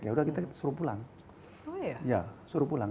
ya udah kita suruh pulang